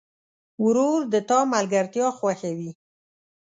ورور د تا ملګرتیا خوښوي.